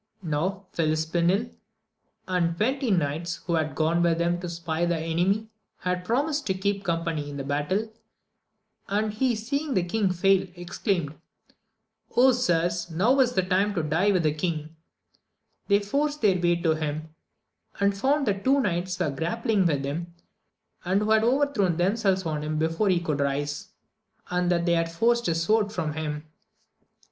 Now FHispinel and the twenty knights who had gone with him to spy the enemy, had promised to keep company in the bat tle, and he seeing the kiug fall, exclaimed, sirs, now is the time to die with the king ! They forced their AMADIS OP GAUL 225 way up to him, and found that two knights were grap pling with him^ who had thrown themselves on him before he could rise, and that they had forced his sword from him.